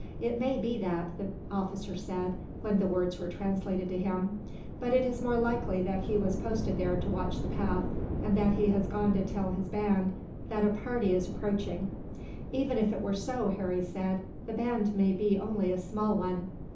"It may be that," the officer said, when the words were translated to him. "But it is more likely that he was posted there to watch the path, and that he has gone to tell his band that a party is approaching." "Even if it were so," Harry said, "the band may be only a small one."